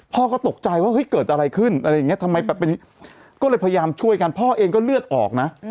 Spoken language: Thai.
พ่อก็ตกใจว่าเฮ้ยเกิดอะไรขึ้นอะไรอย่างนี้ทำไมก็เลยพยายามช่วยกันพ่อเองก็เลือดออกนะ